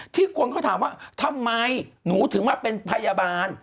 คนเขาถามว่าทำไมหนูถึงมาเป็นพยาบาล